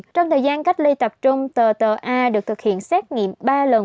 trong thời gian cách ly tập trung tờ tờ a được thực hiện xét nghiệm ba lần